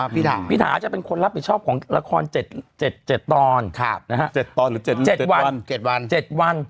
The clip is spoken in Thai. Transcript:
พี่ถาอาจจะเป็นคนรับผิดชอบของละคร๗ตอน๗วัน๗วัน